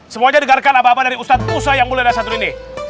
semuanya dengarkan abang abang dari ustadz usai yang mulai dari satu ini